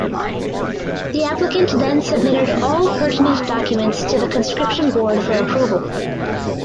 The applicant then submitted all pertinent documents to the conscription board for approval.